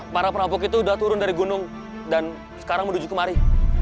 para perampok itu sudah turun dari gunung dan sekarang menuju kemari